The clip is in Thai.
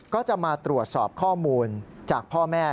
ก็จะมาตรวจสอบข้อมูลจากพ่อแม่